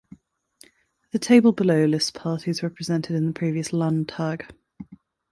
The table below lists parties represented in the previous Landtag.